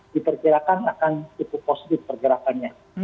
diperkirakan akan cukup positif pergerakannya